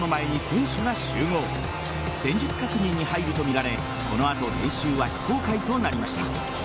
戦術確認に入るとみられこの後練習は非公開となりました。